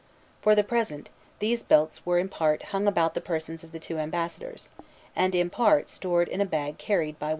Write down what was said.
For the present, these belts were in part hung about the persons of the two ambassadors, and in part stored in a bag carried by one of them.